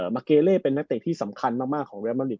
มาเกเลเลเป็นนักเรียนที่สำคัญมากของแบบมาริต